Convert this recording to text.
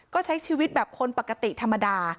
ก็ใช้ชีวิตแบบคนปกติธรรมดา